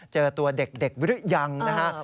เจอตัวเด็กหรือยังนะฮะ